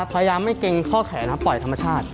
พยายามไม่เกรงข้อแขนนะปล่อยธรรมชาติ